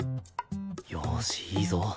よしいいぞ。